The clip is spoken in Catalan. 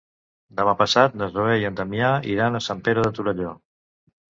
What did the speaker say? Demà passat na Zoè i en Damià iran a Sant Pere de Torelló.